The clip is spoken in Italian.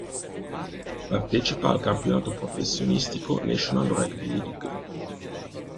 Partecipa al campionato professionistico National Rugby League.